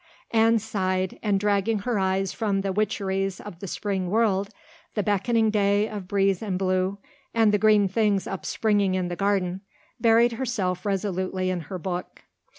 Anne sighed and, dragging her eyes from the witcheries of the spring world, the beckoning day of breeze and blue, and the green things upspringing in the garden, buried herself resolutely in her book.